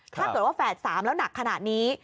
ถ้าเกิดว่าแฝด๓แล้วหนักขนาดนี้